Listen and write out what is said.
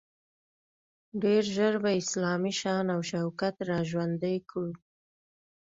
ډیر ژر به اسلامي شان او شوکت را ژوندی کړو.